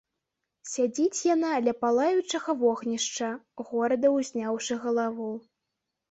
Сядзіць яна ля палаючага вогнішча, горда ўзняўшы галаву.